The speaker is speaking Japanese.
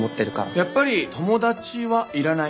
やっぱり友達はいらない。